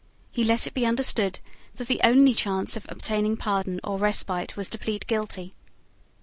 He let it be understood that the only chance of obtaining pardon or respite was to plead guilty.